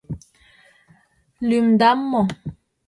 Лӱмдам мо?